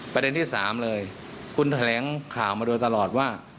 ประเด็นที่๓เลยคุณแถลงข่าวมาโดยตลอดว่า